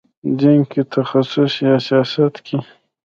دین کې تخصص یا سیاست کې.